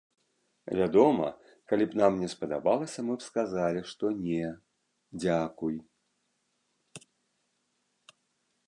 Вядома, калі б нам не спадабалася, мы б сказалі, што не, дзякуй.